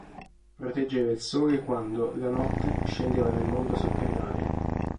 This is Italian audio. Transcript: Proteggeva il sole quando, la notte, scendeva nel mondo sotterraneo.